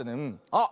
あっ。